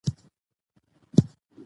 سیندونه د افغانانو د ګټورتیا برخه ده.